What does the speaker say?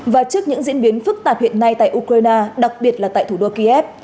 và trước những diễn biến phức tạp hiện nay tại ukraine đặc biệt là tại thủ đô kiev